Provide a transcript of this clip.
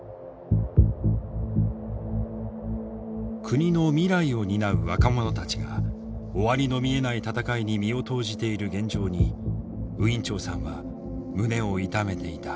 国の未来を担う若者たちが終わりの見えない戦いに身を投じている現状にウィン・チョウさんは胸を痛めていた。